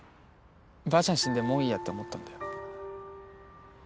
ばあちゃん死んでもういいやって思ったんだよ